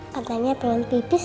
katanya pengen pipis